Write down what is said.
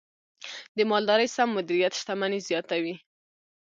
د مالدارۍ سم مدیریت شتمني زیاتوي.